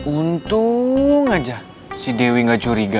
untung aja si dewi gak curiga